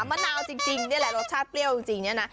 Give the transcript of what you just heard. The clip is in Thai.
มะนาวจริงนี่แหละรสชาติเปรี้ยวจริง